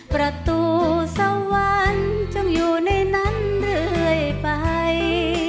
ประตูสวรรค์จงอยู่ในนั้นเรื่อยไป